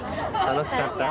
楽しかった。